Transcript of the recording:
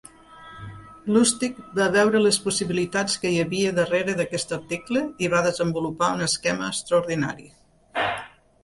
Lustig va veure les possibilitats que hi havia darrere d'aquest article i va desenvolupar un esquema extraordinari.